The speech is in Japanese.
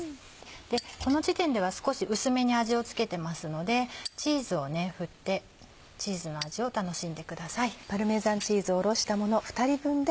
この時点では少し薄めに味を付けてますのでチーズをふってチーズの味を楽しんでください。